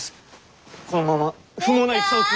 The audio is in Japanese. このまま不毛な戦を続。